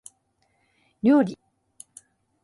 料理